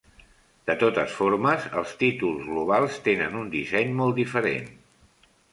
De totes formes, els títols globals tenen un disseny molt diferent.